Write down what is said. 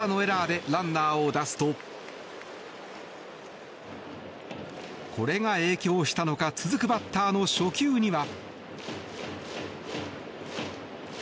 自らのエラーでランナーを出すとこれが影響したのか続くバッターの初球には。